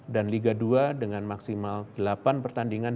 dan ligasi dua dengan maksimal delapan pertandingan